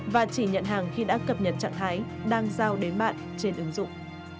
và chỉ nhận hàng khi đã cập nhật trạng thái đang giao đến bạn trên ứng dụng